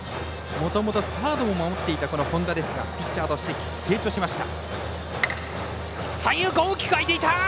もともとサードを守っていた本田ですがピッチャーとして成長しました。